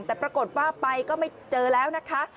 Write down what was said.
แต่ปรากฏว่าไปก็ไม่เจอแล้วนะคะ